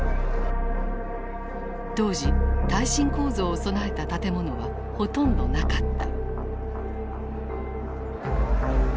当時耐震構造を備えた建物はほとんどなかった。